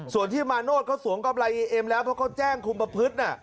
ส่วนที่มาโนธเขาสวมกำไรอีเอ็มแล้วเพราะเขาแจ้งคุมประพฤติน่ะ